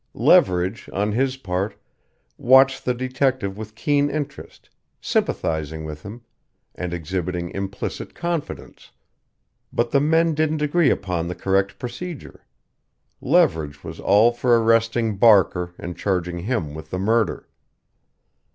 Leverage, on his part, watched the detective with keen interest, sympathizing with him, and exhibiting implicit confidence, but the men didn't agree upon the correct procedure. Leverage was all for arresting Barker and charging him with the murder.